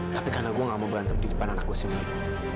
tapi karena gue gak mau berantem di depan anakku sendiri